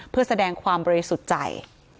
เพื่อแสดงความบริสุทธิ์ใจ